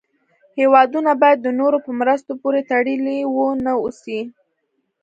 هېوادونه باید د نورو په مرستو پورې تړلې و نه اوسي.